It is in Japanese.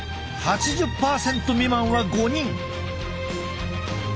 ８０％未満は５人。